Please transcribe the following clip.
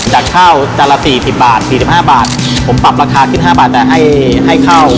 จากข้าวจานละ๔๐บาท๔๕บาทผมปรับราคาขึ้น๕บาทแต่ให้เข้า